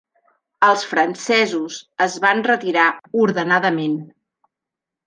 Els francesos es van retirar ordenadament.